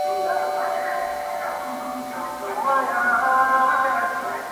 او ژوند پکي کمزوری احساس کيږي،